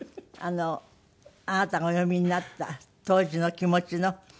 あなたがお読みになった当時の気持ちの。